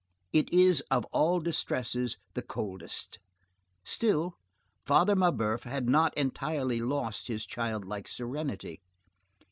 It is, of all distresses, the coldest. Still, Father Mabeuf had not entirely lost his childlike serenity.